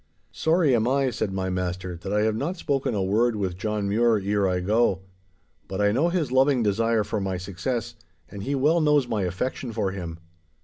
'Sorry am I,' said my master, 'that I have not spoken a word with John Mure ere I go. But I know his loving desire for my success, and he well knows my affection for him.